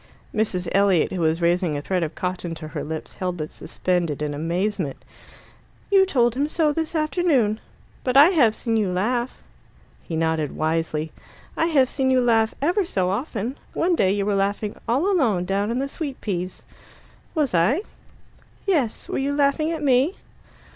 Mrs. Elliot, who was raising a thread of cotton to her lips, held it suspended in amazement. "You told him so this afternoon. But I have seen you laugh." He nodded wisely. "I have seen you laugh ever so often. One day you were laughing alone all down in the sweet peas." "Was I?" "Yes. Were you laughing at me?"